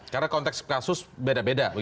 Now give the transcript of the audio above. karena konteks kasus beda beda